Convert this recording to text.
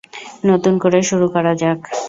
নতুন করে শুরু করা যাক।